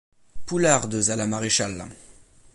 Poulardes à la maréchale.